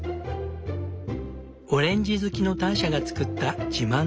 オレンジ好きのターシャがつくった自慢のレシピ。